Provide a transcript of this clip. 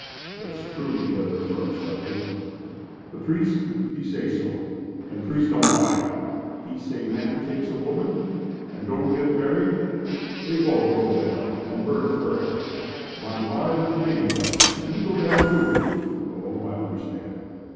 "That's true," the other affirmed, stoutly. "The pries' he say so, and pries' don' lie. He say man takes a woman and don' get marry, they both go to hell and burn forever. Bime'by little baby come, and he go to hell, too." "Oh, I understand!